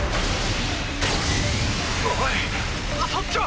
おいそっちは。